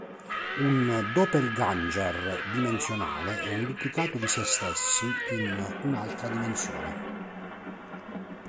Un "Doppelgänger" dimensionale è un duplicato di se stessi in un'altra dimensione.